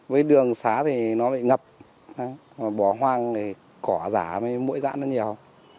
với đường xá thì nó bị ngập bỏ hoang thì cỏ giả mỗi dãn nó nhiều